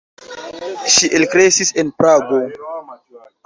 Ŝi elkreskis en Prago.